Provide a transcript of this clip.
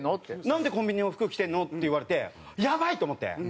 「なんでコンビニの服着てるの？」って言われてやばい！と思って。